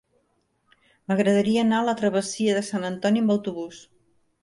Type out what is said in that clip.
M'agradaria anar a la travessia de Sant Antoni amb autobús.